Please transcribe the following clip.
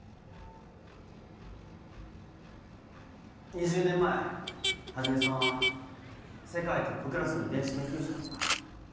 ２０年前始さんは世界トップクラスの遺伝子研究者だった。